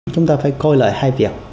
chúng ta phải coi lại hai việc